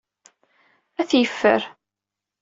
Ad t-yeffer.